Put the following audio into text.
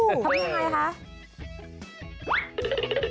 โอ้ทำยังไงฮะ